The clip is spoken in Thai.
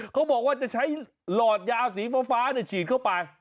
เขาบอกว่าจะใช้หลอดยาวสีฟ้าฉีดเข้าไป